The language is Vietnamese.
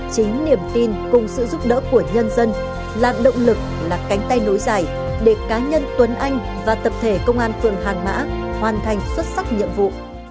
chính niềm tin cùng sự giúp đỡ của nhân dân là động lực là cánh tay nối dài để cá nhân tuấn anh và tập thể công an phường hàng mã hoàn thành xuất sắc nhiệm vụ